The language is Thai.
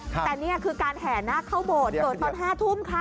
แต่นี่คือการแห่นาคเข้าโบสถ์เกิดตอน๕ทุ่มค่ะ